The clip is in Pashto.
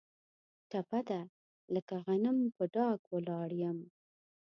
ټپه ده: لکه غنم په ډاګ ولاړ یم.